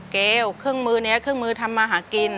เกลเครื่องมือนี้เครื่องมือทำมาหากิน